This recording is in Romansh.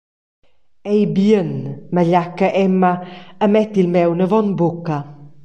«Ei bien», magliacca Emma e metta il maun avon bucca.